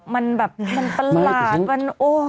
มันแบบมันประหลาดมันโอ้